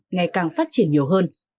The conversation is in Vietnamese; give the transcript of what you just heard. ngày càng phát triển nhiều hơn